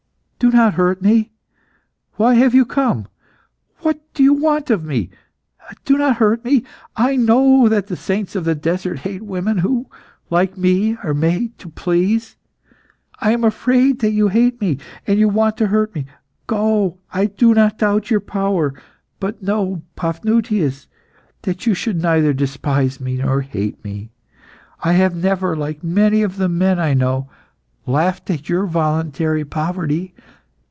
"Do not hurt me! Why have you come? What do you want of me? Do not hurt me! I know that the saints of the desert hate women who, like me, are made to please. I am afraid that you hate me, and want to hurt me. Go! I do not doubt your power. But know, Paphnutius, that you should neither despise me nor hate me. I have never, like many of the men I know, laughed at your voluntary poverty.